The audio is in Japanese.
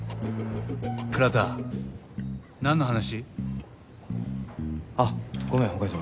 倉田なんの話？あっごめん岡島。